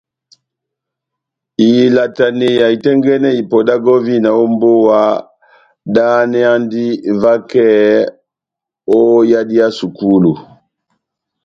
Ilataneya itɛ́ngɛ́nɛ ipɔ dá gɔvina ó mbówa dáháneyandi vakɛ ó yadi yá sukulu.